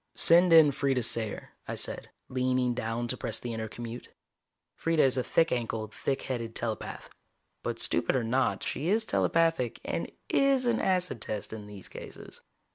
"Send in Freeda Sayer," I said, leaning down to press the intercommute. Freeda is a thick ankled, thick headed telepath. But stupid or not, she is telepathic, and is an acid test in these cases.